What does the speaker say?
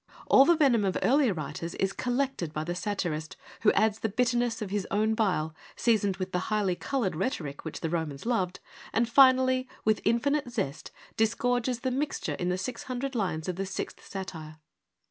All the venom of earlier writers is collected by the satirist, who adds the bitterness of his own bile, seasoned with the highly coloured rhetoric which the Romans loved, and finally, with infinite zest, disgorges the mixture in the six hundred lines of the Sixth Satire.